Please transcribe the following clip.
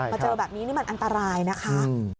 เจอแบบนี้นี่มันอันตรายนะคะ